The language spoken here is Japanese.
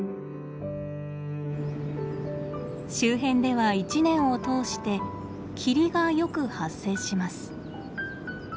周辺では１年を通して霧がよく発生します。